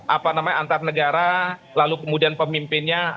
apa namanya antar negara lalu kemudian pemimpinnya